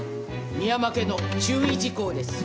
深山家の注意事項です。